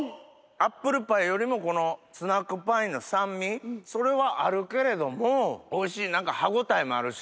アップルパイよりもこのスナックパインの酸味それはあるけれどもおいしい歯応えもあるし。